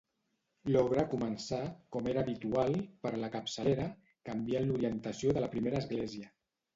L'obra començà, com era habitual, per la capçalera, canviant l'orientació de la primera església.